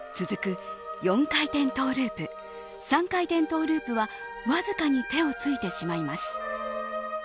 続く、４回転トゥループ３回転トゥループはわずかに手をついてしまいます。